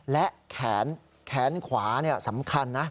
และแขนขวาสำคัญนะ